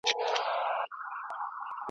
پرون یې بیا راته په شپو پسي شپې ولیکلې `